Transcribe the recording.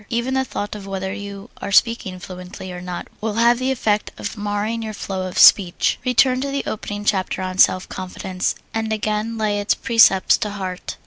Even the thought of whether you are speaking fluently or not will have the effect of marring your flow of speech. Return to the opening chapter, on self confidence, and again lay its precepts to heart.